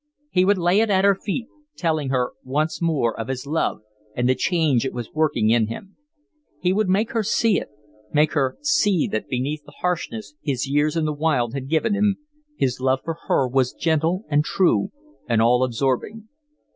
He would lay it at her feet, telling her once more of his love and the change it was working in him. He would make her see it, make her see that beneath the harshness his years in the wild had given him, his love for her was gentle and true and all absorbing.